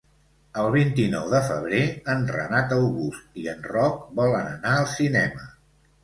El vint-i-nou de febrer en Renat August i en Roc volen anar al cinema.